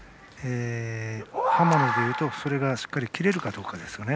刃物でいうとそれがしっかり切れるかどうか。